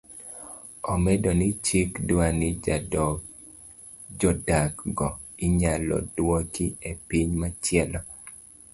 Omedo ni chik dwani jodak go inyalo duoki epiny machielo